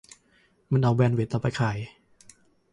มันเอาแบนด์วิธเราไปขาย